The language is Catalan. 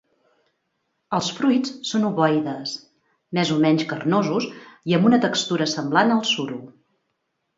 Els fruits són ovoides, més o menys carnosos i amb una textura semblant al suro.